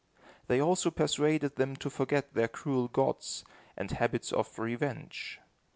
They also persuaded them to forget their cruel gods and habits of revenge.